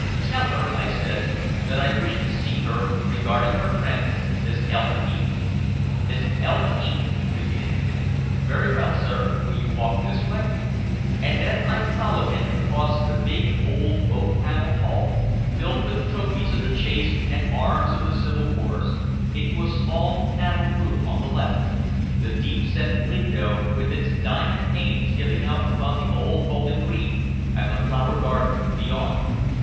"Tell her," I said, "that I wish to see her regarding her friend, Miss Elma Heath." "Miss Elma 'Eath," repeated the man. "Very well, sir. Will you walk this way?" And then I followed him across the big old oak paneled hall, filled with trophies of the chase and arms of the civil wars, into a small paneled room on the left, the deep set window with its diamond panes giving out upon the old bowling green and the flower garden beyond.